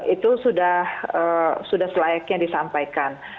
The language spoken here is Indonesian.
itu sudah selayaknya disampaikan